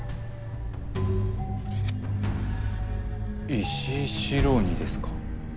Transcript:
石井四郎にですか？